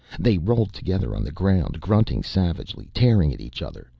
They rolled together on the ground grunting savagely, tearing at each other.